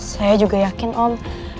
saya juga yakin om